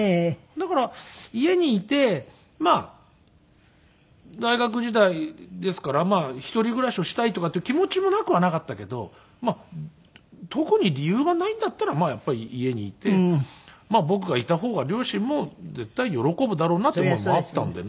だから家にいてまあ大学時代ですから一人暮らしをしたいとかっていう気持ちもなくはなかったけど特に理由がないんだったらやっぱり家にいて僕がいた方が両親も絶対喜ぶだろうなという思いもあったんでね。